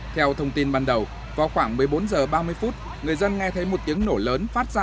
theo thông tin ban đầu vào khoảng một mươi bốn h ba mươi phút người dân nghe thấy một tiếng nổ lớn phát ra